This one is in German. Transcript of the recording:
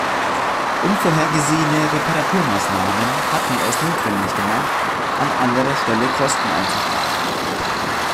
Unvorhergesehene Reparaturmaßnahmen hatten es notwendig gemacht, an anderer Stelle Kosten einzusparen.